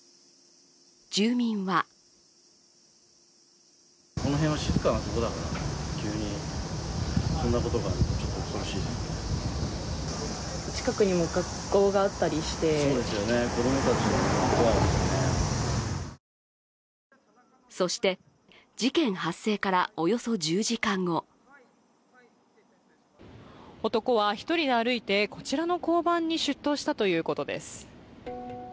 住民はそして、事件発生からおよそ１０時間後男は１人で歩いて、こちらの交番に出頭したということです。